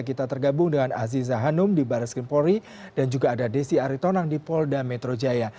kita tergabung dengan aziza hanum di baris krimpori dan juga ada desi aritonang di polda metro jaya